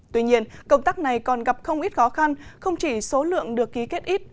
tuy nhiên công tác này còn gặp không ít khó khăn không chỉ số lượng được ký kết ít